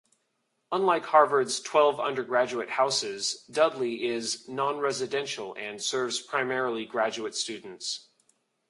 Unlike Harvard's twelve undergraduate "houses", Dudley is non-residential and serves primarily graduate students.